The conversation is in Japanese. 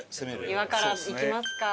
岩から行きますか。